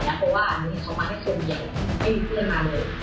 เพราะว่าอันนี้เขามาแค่คนเดียวไม่มีเพื่อนมาเลย